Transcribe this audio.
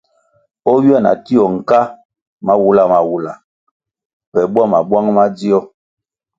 O ywia na tio nka mawula mawula pe bwama bwang madzio,